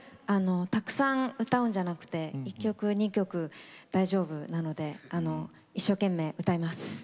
たくさん歌うんじゃなくて１曲２曲大丈夫なので一生懸命歌います！